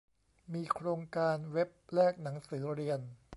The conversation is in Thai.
มีโครงการเว็บแลกหนังสือเรียน